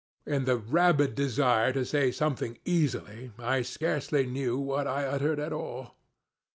ŌĆØ (In the rabid desire to say something easily, I scarcely knew what I uttered at all.)